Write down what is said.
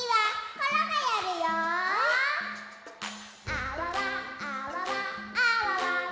あわわあわわあわわわ。